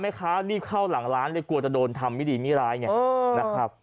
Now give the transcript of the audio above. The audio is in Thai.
แม่ค้านี่เข้าหลังร้านเลยกลัวจะโดนทำวิธีมิร้ายไงนะครับ